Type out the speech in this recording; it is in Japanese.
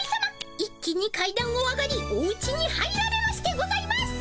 一気に階だんを上がりおうちに入られましてございます。